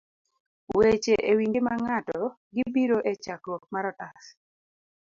Weche e Wi Ngima Ng'ato gibiro e chakruok mar otas